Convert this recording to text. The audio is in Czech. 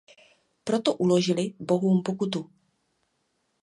Proto uložili bohům pokutu.